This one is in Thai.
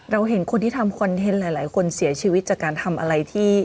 เราเห็นคนที่ทำคอนเทนต์หลายคนเสียชีวิตจากการทำอะไรที่